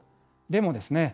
でもですね